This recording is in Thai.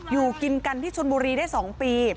อยู่กินกันที่ชนบุรีได้๒ปี